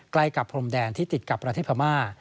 ใกล้กับพรมแดนที่ติดกับประเทศพม่า